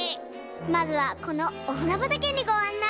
まずはこのおはなばたけにごあんない！